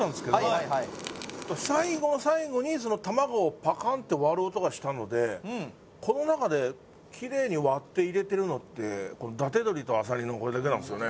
はいはいはい最後の最後に卵をぱかーんって割る音がしたのでこの中できれいに割って入れてるのって伊達鶏とアサリのこれだけなんですよね